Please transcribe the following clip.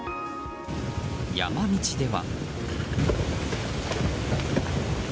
山道では。